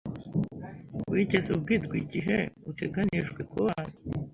Wigeze ubwirwa igihe uteganijwe kuba hano?